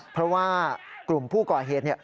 เพราะว่ากลุ่มผู้ก่อเหตุ